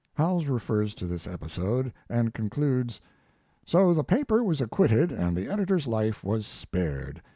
Howells refers to this episode, and concludes: So the paper was acquitted and the editor's life was spared.